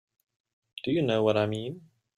Do you know what I mean?